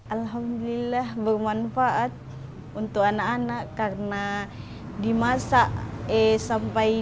alhamdulillah bermanfaat untuk anak anak karena dimasak sampai dua sampai tiga hari